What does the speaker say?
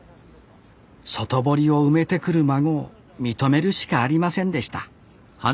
外堀を埋めてくる孫を認めるしかありませんでした